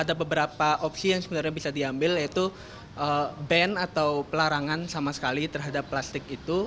ada beberapa opsi yang sebenarnya bisa diambil yaitu ban atau pelarangan sama sekali terhadap plastik itu